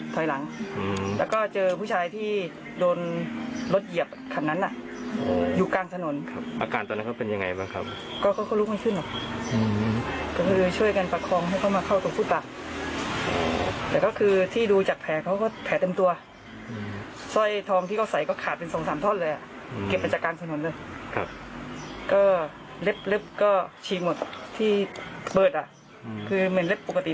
เปิดอ่ะคือเหมือนเล็บปกติเราก็เปิดขึ้นเลย